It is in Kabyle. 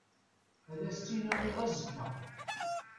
Ad as-tt-in-awiɣ azekka.